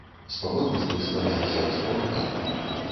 Спаборніцтвы складаліся з трох этапаў.